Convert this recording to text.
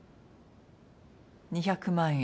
２００万円。